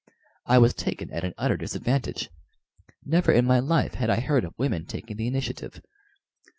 I was taken at an utter disadvantage. Never in my life had I heard of women taking the initiative.